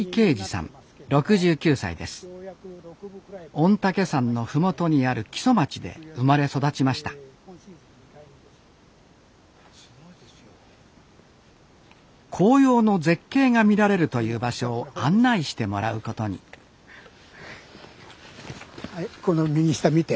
御嶽山の麓にある木曽町で生まれ育ちました紅葉の絶景が見られるという場所を案内してもらうことにはいこの右下見て。